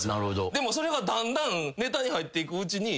でもそれがだんだんネタに入っていくうちに。